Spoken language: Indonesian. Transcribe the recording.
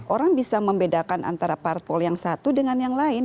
orang bisa membedakan antara parpol yang satu dengan yang lain